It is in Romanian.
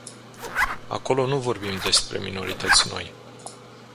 Acolo nu vorbim despre minorități noi.